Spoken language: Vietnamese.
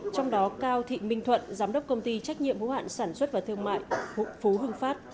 trong đó cao thị minh thuận giám đốc công ty trách nhiệm hữu hạn sản xuất và thương mại phú hưng phát